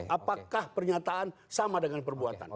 apakah pernyataan sama dengan perbuatan